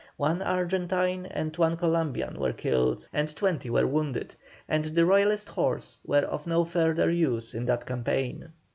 One Argentine and one Columbian were killed and twenty were wounded, and the Royalist horse were of no further use in that campaign.